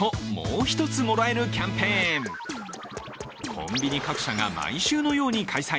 コンビニ各社が毎週のように開催。